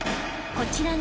［こちらが］